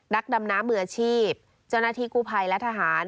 นักดำน้ำมืออาชีพเจ้าหน้าที่กู้ภัยและทหาร